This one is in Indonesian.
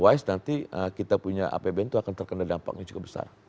otherwise nanti kita punya apb itu akan terkena dampak yang cukup besar